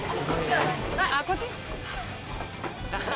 あっこっち？